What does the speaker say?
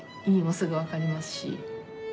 意味もすぐ分かりますし。